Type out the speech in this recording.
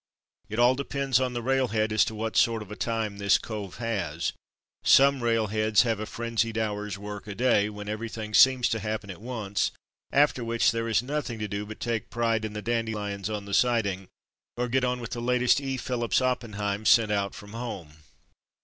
It all depends on the railhead as to what sort of a time this cove has. Some rail heads have a frenzied hour's work a day, when everything seems to happen at once, after which there is nothing to do but take A Typical Day's Programme m a pride in the dandelions on the siding, or get on with the latest E. Phillips Oppen heim sent out from home.